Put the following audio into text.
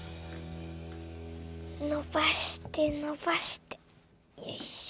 のばしてのばしてよいしょ。